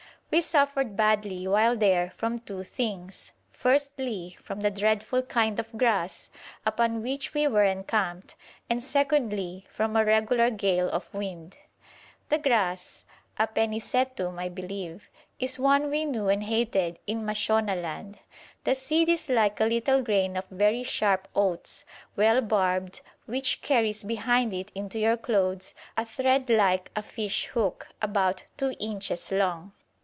We suffered badly while there from two things; firstly from the dreadful kind of grass upon which we were encamped, and secondly from a regular gale of wind. The grass, a pennisetum I believe, is one we knew and hated in Mashonaland. The seed is like a little grain of very sharp oats, well barbed, which carries behind it into your clothes a thread like a fish hook, about 2 inches long.